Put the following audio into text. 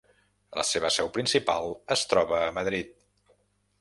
La seva seu principal es troba a Madrid.